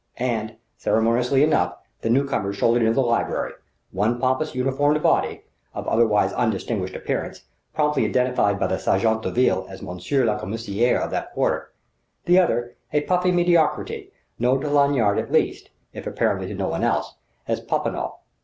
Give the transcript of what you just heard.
And, unceremoniously enough, the newcomers shouldered into the library one pompous uniformed body, of otherwise undistinguished appearance, promptly identified by the sergents de ville as monsieur le commissaire of that quarter; the other, a puffy mediocrity, known to Lanyard at least (if apparently to no one else) as Popinot.